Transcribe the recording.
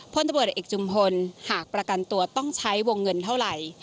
พลตำรวจเอกจุมพลหากประกันตัวต้องใช้วงเงินเท่าไหร่